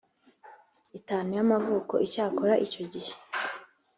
itanu y amavuko icyakora icyo gihe